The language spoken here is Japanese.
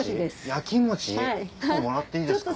焼餅１個もらっていいですか？